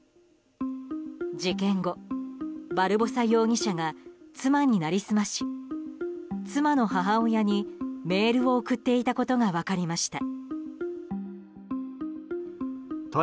事件後、バルボサ容疑者が妻に成り済まし妻の母親にメールを送っていたことが分かりました。